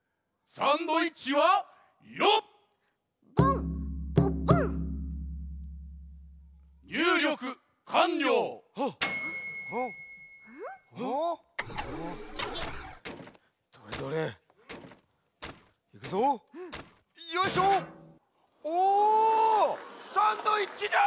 サンドイッチじゃ！